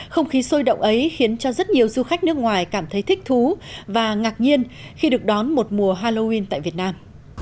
không khí sôi động ấy khiến cho rất nhiều du khách nước ngoài cảm thấy thích thú và ngạc nhiên khi được đón một mùa halloween tại việt nam